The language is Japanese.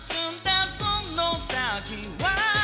その先は